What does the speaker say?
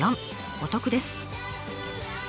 お得です。